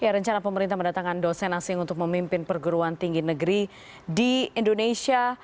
rencana pemerintah mendatangkan dosen asing untuk memimpin perguruan tinggi negeri di indonesia